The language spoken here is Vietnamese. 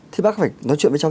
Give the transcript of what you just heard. thì bác phải nói chuyện với cháu